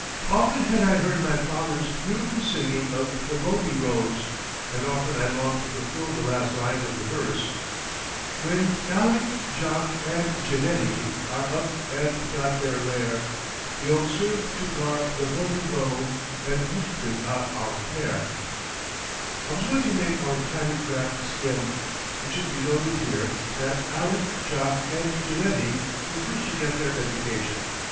Often had I heard my father's beautiful singing of "The Boatie Rows" and often I longed to fulfill the last lines of the verse: "When Aaleck, Jock, and Jeanettie, Are up and got their lair, They'll serve to gar the boatie row, And lichten a' our care." [Footnote 11: Education.] I was going to make our tiny craft skim. It should be noted here that Aaleck, Jock, and Jeanettie were first to get their education.